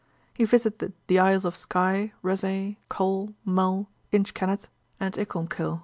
He visited the isles of Sky, Rasay, Col, Mull, Inchkenneth, and Icolmkill.